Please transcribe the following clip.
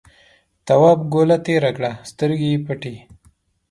تواب گوله تېره کړه سترګې یې پټې.